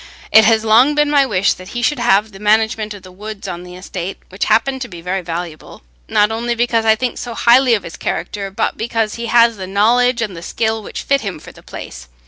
It has long been my wish that he should have the management of the woods on the estate, which happen to be very valuable, not only because I think so highly of his character, but because he has the knowledge and the skill which fit him for the place.